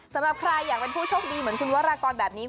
สำหรับใครอยากเป็นผู้โชคดีเหมือนคุณวรากรแบบนี้